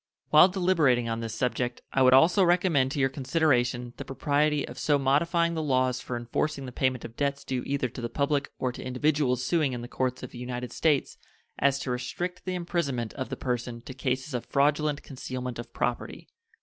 While deliberating on this subject I would also recommend to your consideration the propriety of so modifying the laws for enforcing the payment of debts due either to the public or to individuals suing in the courts of the United States as to restrict the imprisonment of the person to cases of fraudulent concealment of property.